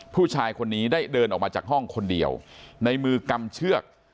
ผู้ชายคนนี้ได้เดินออกมาจากห้องคนเดียวในมือกำเชือก